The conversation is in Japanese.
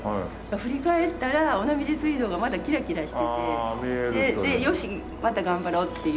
振り返ったら尾道水道がまだキラキラしてて「よし！また頑張ろう」っていう。